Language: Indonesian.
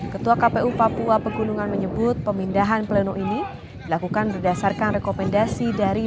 ketua kpu papua pegunungan menyebut pemindahan pleno ini dilakukan berdasarkan rekomendasi dari